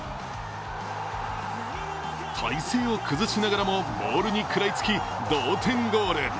体勢を崩しながらもボールに食らいつき、同点ゴール。